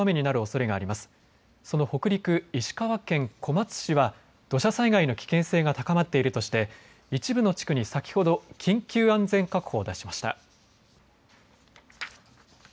その北陸、石川県小松市は土砂災害の危険性が高まっているとして一部の地区に先ほど緊急安全確保を出しました。